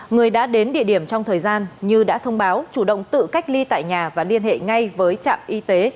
người đã đến địa điểm trong thời gian như đã thông báo chủ động tự cách ly tại nhà và liên hệ ngay với trạm y tế